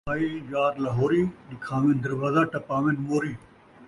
آئے یار لاہوری، ݙکھاوِن دروازہ ٹپاون موری